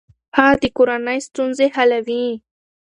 هغه د کورنۍ ستونزې حلوي.